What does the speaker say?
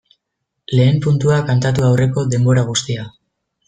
Lehen puntua kantatu aurreko denbora guztia.